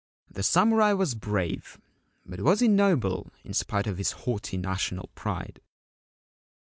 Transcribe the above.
The samurai was brave ; but was he noble in spite of his haughty national pride